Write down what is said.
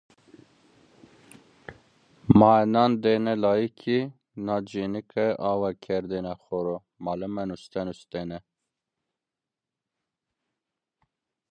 Mae nan dêne layıki. Na cênıke awe kerdêne xo ro. Malıme nuste nustêne.